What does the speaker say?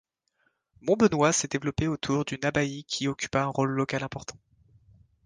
Monbenoît s'est développé autour d'une abbaye qui occupa un rôle local important.